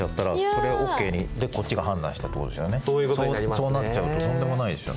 そうなっちゃうととんでもないですよね。